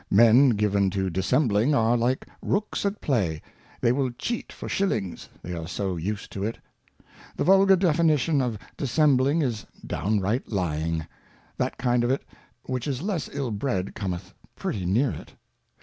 Men given to dissembling are like Rooks at play, they will cheat for Shillings, they are so used to it. The vulgar ' Definition of Dissembling is downright Lying ; that kind of it ; which is less ill bred cometh pretty near it.